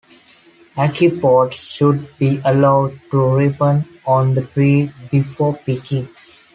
Ackee pods should be allowed to ripen on the tree before picking.